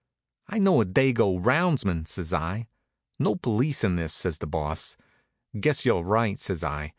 "I know a Dago roundsman " says I. "No police in this," says the Boss. "Guess you're right," says I.